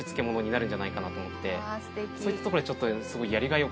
そういったところでちょっとすごい。